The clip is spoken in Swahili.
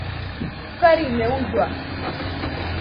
Sukari imeuzwa.